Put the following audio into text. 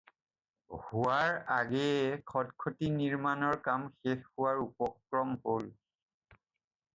হোৱাৰ আগেয়ে খটখটি নিৰ্মাণৰ কাম শেষ হোৱাৰ উপক্ৰম হ'ল।